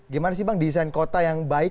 gimana sih bang desain kota yang baik